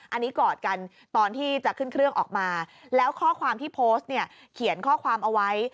อันนี้กอดกันตอนที่จะขึ้นเครื่องออกมาแล้วข้อความที่โพสต์เนี่ยเขียนข้อความเอาไว้